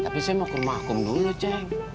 tapi saya mau ke rumah akum dulu ceng